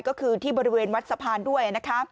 ก็คือที่บริเวณวัดสะพานด้วยนะคะ